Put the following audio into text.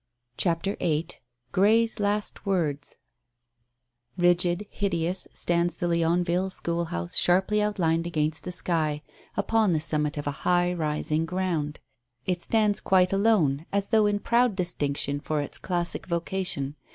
CHAPTER VIII GREY'S LAST WORDS Rigid, hideous, stands the Leonville school house sharply outlined against the sky, upon the summit of a high, rising ground. It stands quite alone as though in proud distinction for its classic vocation.